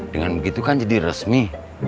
dengan begitu kan jadi resmi